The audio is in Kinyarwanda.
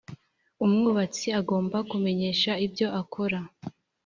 umwubatsi agomba kumenyesha ibyo akora